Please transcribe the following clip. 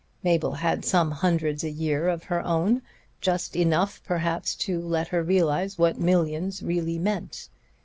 Mabel had some hundreds a year of her own; just enough, perhaps, to let her realize what millions really meant.